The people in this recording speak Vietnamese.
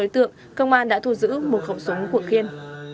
tưởng công an đã thu giữ một khẩu súng của khiên